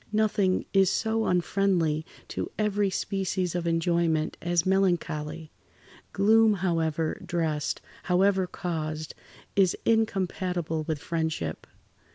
"Nothing is so unfriendly to every species of enjoyment as melancholy. Gloom, however dressed, however caused, is incompatible with friendship.